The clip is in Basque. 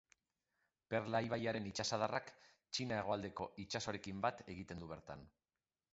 Perla ibaiaren itsasadarrak Txina Hegoaldeko itsasoarekin bat egiten du bertan.